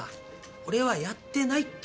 俺はやってないって。